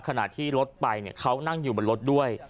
ขณะที่รถไปเขานั่งอยู่บนรถด้วย